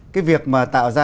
cái việc mà tạo ra